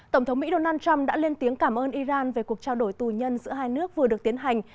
tổng thống mỹ donald trump đã lên tiếng cảm ơn iran về cuộc trao đổi tù nhân giữa hai nước vừa được tiến hành